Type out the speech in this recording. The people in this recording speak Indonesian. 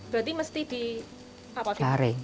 berarti mesti disaring